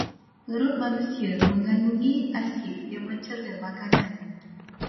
Perut manusia megandungi asid yang mencerna makanan.